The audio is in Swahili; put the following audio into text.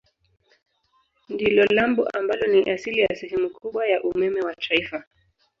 Ndilo lambo ambalo ni asili ya sehemu kubwa ya umeme wa taifa.